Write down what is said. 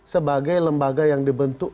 sebagai lembaga yang dibentuk